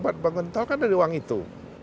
pak guntul kan ada uang itu